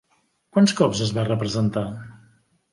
Quants cops es va representar?